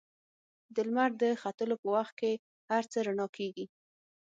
د لمر د ختلو په وخت کې هر څه رڼا کېږي.